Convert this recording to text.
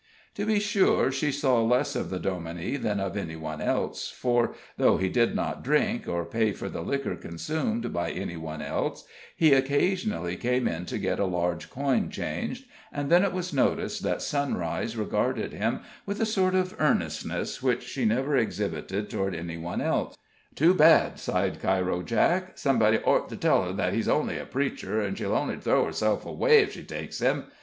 To be sure, she saw less of the Dominie than of any one else, for, though he did not drink, or pay for the liquor consumed by any one else, he occasionally came in to get a large coin changed, and then it was noticed that Sunrise regarded him with a sort of earnestness which she never exhibited toward any one else. "Too bad!" sighed Cairo Jake. "Somebody ort to tell her that he's only a preacher, an' she'll only throw herself away ef she takes him.